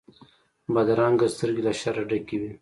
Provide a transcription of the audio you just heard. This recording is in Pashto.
بدرنګه سترګې له شره ډکې وي